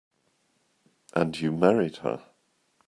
And you married her.